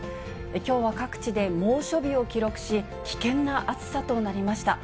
きょうは各地で猛暑日を記録し、危険な暑さとなりました。